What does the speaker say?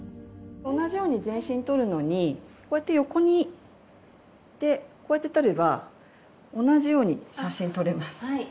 同じように全身撮るのにこうやって横にこうやって撮れば同じように写真撮れます。